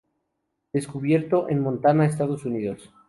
Descubierto en Montana, Estados Unidos.